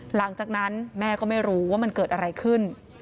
หลังจากนั้นแม่ก็ไม่รู้ว่ามันเกิดอะไรขึ้น